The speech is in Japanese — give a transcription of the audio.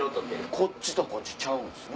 こっちとこっちちゃうんすね。